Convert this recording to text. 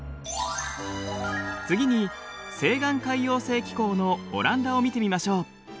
次に西岸海洋性気候のオランダを見てみましょう。